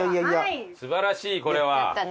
素晴らしいこれは。